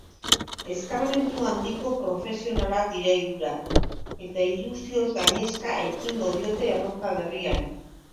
Eskarmentu handiko profesionalak dira hirurak, eta ilusioz gainezka ekingo diote erronka berriari.